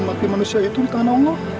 mati manusia itu di tangan allah